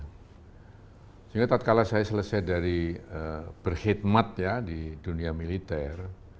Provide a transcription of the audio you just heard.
sehingga tak kalah saya selesai dari berkhidmat ya di dunia militer